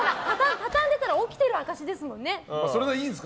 畳んでたら起きてる証しですもんね。